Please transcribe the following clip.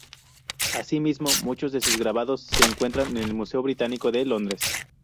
Asimismo, muchos de sus grabados se encuentran en el Museo Británico de Londres.